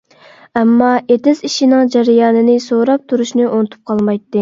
ئەمما ئېتىز ئىشىنىڭ جەريانىنى سوراپ تۇرۇشنى ئۇنتۇپ قالمايتتى.